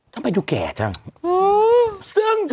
ทำไมดูแก่จัง